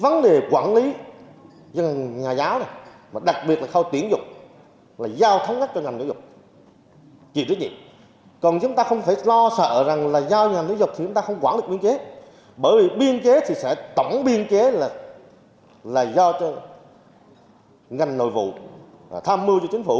nếu chúng ta không quản lý biên chế bởi biên chế thì sẽ tổng biên chế là do ngành nội vụ tham mưu cho chính phủ